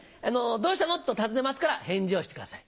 「どうしたの？」と尋ねますから返事をしてください。